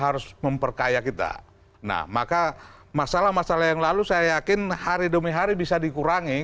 harus memperkaya kita nah maka masalah masalah yang lalu saya yakin hari demi hari bisa dikurangi